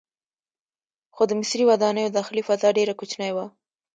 خو د مصري ودانیو داخلي فضا ډیره کوچنۍ وه.